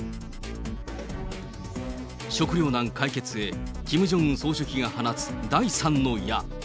食料難解決へ、キム・ジョンウン総書記が放つ第３の矢。